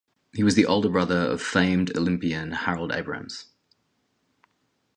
He was the older brother of famed Olympian Harold Abrahams.